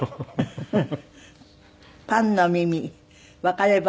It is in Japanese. フフフフ。